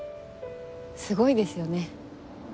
すごいですよね。